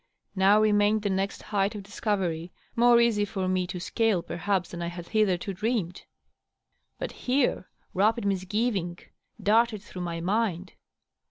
Now remained the next height of discovery, more easy for me to scale, perhaps, than I had hitherto dreamed. .. But here rapid misgiving darted through my mind.